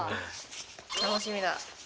楽しみだ。